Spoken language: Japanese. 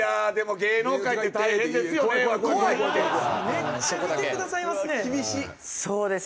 めっちゃ見てくださいますね。